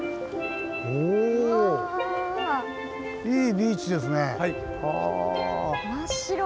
いいビーチですね。